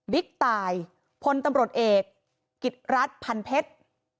ตายพลตำรวจเอกกิจรัฐพันเพชร